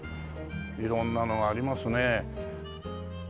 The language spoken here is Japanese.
色んなのがありますね。